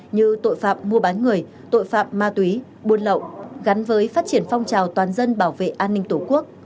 như tội phạm mua bán người tội phạm ma túy buôn lậu gắn với phát triển phong trào toàn dân bảo vệ an ninh tổ quốc